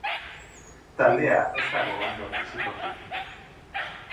Talde ez dago ondo fisikoki.